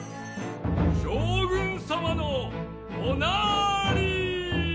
将軍様のおなり。